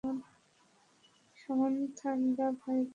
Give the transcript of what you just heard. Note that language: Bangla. সান্থানামরা ভাই-বোন মিলে মোট চব্বিশ জন।